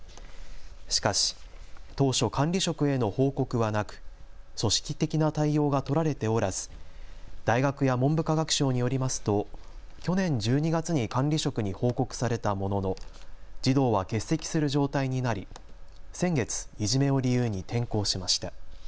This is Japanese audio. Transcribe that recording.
しかし当初、管理職への報告はなく組織的な対応が取られておらず大学や文部科学省によりますと去年１２月に管理職に報告されたものの児童は欠席する状態になり先月いじめを理由に転校しました。